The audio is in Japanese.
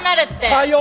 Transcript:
さよう！